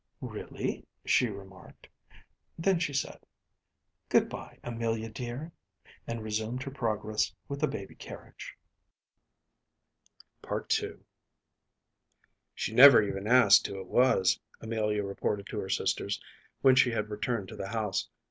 ‚ÄúReally?‚ÄĚ she remarked. Then she said, “Goodby, Amelia dear,‚ÄĚ and resumed her progress with the baby carriage. PART II “She never even asked who it was,‚ÄĚ Amelia reported to her sisters, when she had returned to the house.